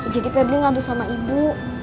jadi febri ngadu sama ibu